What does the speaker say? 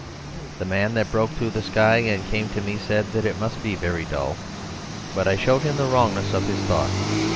The man that broke through the sky and came to me said that it must be very dull, but I showed him the wrongness of his thought.